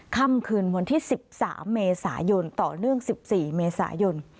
ค่ำคืนวันที่๑๓เมษายนต่อเนื่อง๑๔เมษายน